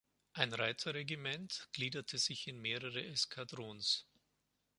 Ein Reiter-Regiment gliederte sich in mehrere Eskadrons.